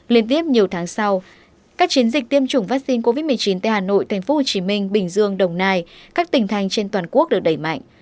liên tiếp nhiều tháng sau các chiến dịch tiêm chủng vaccine covid một mươi chín tại hà nội tp hcm bình dương đồng nai các tỉnh thành trên toàn quốc được đẩy mạnh